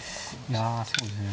いやそうですね